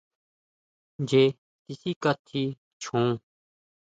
Ncheé tisikatji chjon.